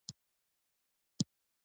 علم د ژوند مهارتونه وړاندې کوي.